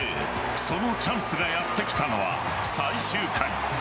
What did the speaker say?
そのチャンスがやってきたのは最終回。